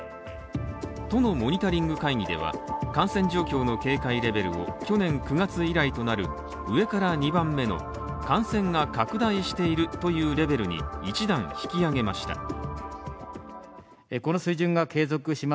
都のモニタリング会議では感染状況の警戒レベルを、去年９月以来となる、上から２番目の感染が拡大しているというレベルに一段引き上げました。